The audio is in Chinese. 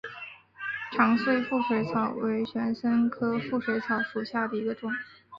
长穗腹水草为玄参科腹水草属下的一个种。